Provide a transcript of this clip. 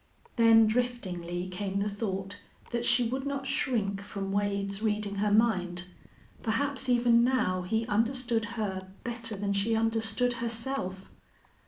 Then driftingly came the thought that she would not shrink from Wade's reading her mind. Perhaps even now he understood her better than she understood herself.